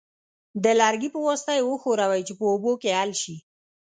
د لرګي په واسطه یې وښورئ چې په اوبو کې حل شي.